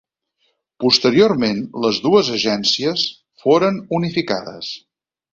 Posteriorment les dues agències foren unificades.